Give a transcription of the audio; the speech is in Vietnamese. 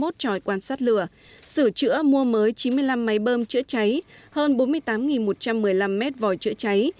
hai mươi một tròi quan sát lửa sửa chữa mua mới chín mươi năm máy bơm chữa cháy hơn bốn mươi tám một trăm một mươi năm mét vòi chữa cháy